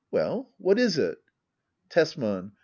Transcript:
] Well^ what is it? Tesman.